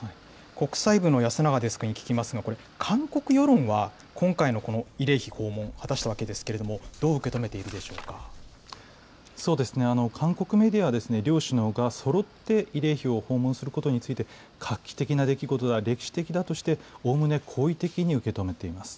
国際部の安永デスクに聞きますが、これ、韓国世論は今回のこの慰霊碑訪問、果たしたわけですけれども、どう受け止めているで韓国メディアは、両首脳がそろって慰霊碑を訪問することについて、画期的な出来事だ、歴史的だとして、おおむね好意的に受け止めています。